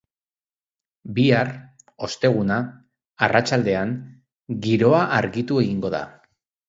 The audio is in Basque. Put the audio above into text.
Bihar, osteguna, arratsaldean, giroa argitu egingo da.